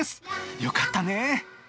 よかったね。